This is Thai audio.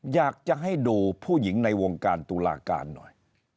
อยากจะให้ดูผู้หญิงในวงการตุลาการหน่อย